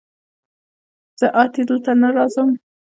زه اتي دلته نه راځم